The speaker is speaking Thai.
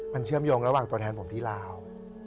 มันเชื่อมโยงระหว่างตัวแทนผมที่ลาว